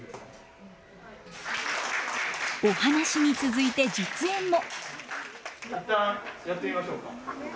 お話に続いて実演も。